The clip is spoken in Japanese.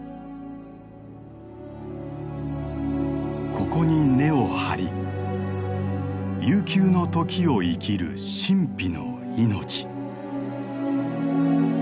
ここに根を張り悠久の時を生きる神秘の命。